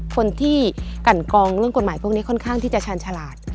คนที่กันกองเรื่องกฎหมายพวกนี้ค่อนข้างที่จะชาญฉลาด